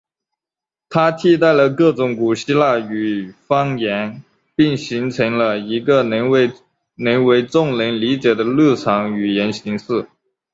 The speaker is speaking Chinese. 它替代了各种古希腊语方言并形成了一个能为众人理解的日常语言形式。